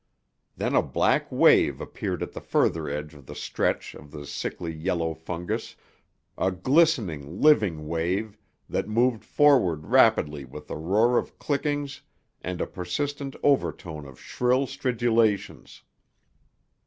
Then a black wave appeared at the further edge of the stretch of the sickly yellow fungus, a glistening, living wave, that moved forward rapidly with the roar of clickings and a persistent overtone of shrill stridulations.